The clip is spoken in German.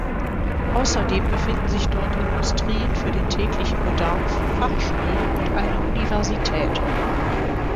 Außerdem befinden sich dort Industrien für den täglichen Bedarf, Fachschulen und eine Universität.